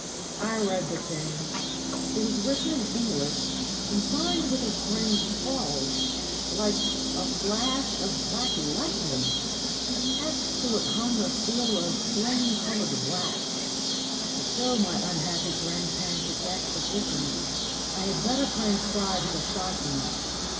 I read the thing. It was written in English, and signed with a strange scrawl, like a flash of black lightning. Attached to it hung a seal of flame coloured wax. To show my unhappy grandparent's exact position I had better transcribe this document.